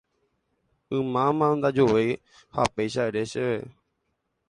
ymáma ndajuvéi ha péicha ere chéve